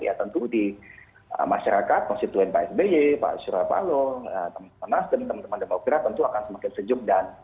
ya tentu di masyarakat konstituen pak sby pak surya palo teman nasdem teman teman demokrat tentu akan semakin sejuk dan